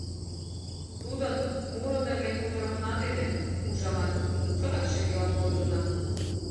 ТудынМуро нерген кутырымына дене, ужамат, чотак шеҥгелан кодынна.